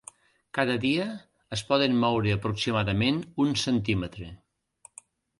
Cada dia es poden moure aproximadament un centímetre.